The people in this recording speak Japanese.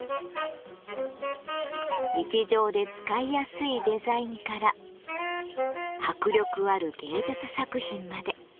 日常で使いやすいデザインから迫力ある芸術作品まで。